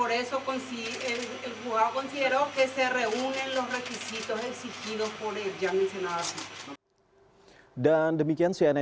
ada bahaya di pembunuh karena tidak ada kejadian